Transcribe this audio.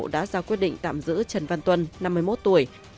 đã ra quyết định tạm giữ trần văn tuân năm mươi một tuổi